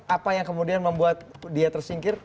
apa yang kemudian membuat dia tersingkir